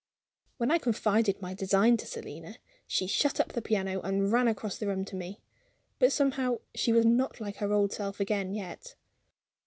When I confided my design to Selina, she shut up the piano and ran across the room to me. But somehow she was not like her old self again, yet.